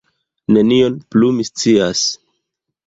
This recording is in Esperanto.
Nenion plu mi scias.